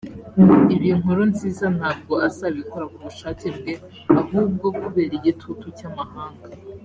Ibi Nkurunziza ntabwo azabikora ku bushake bwe ahubwo kubera igitutu cy’amahanga